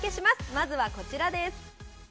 まずはこちらです。